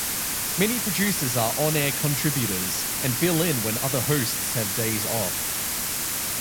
Many producers are on-air contributors and fill in when other hosts have days off.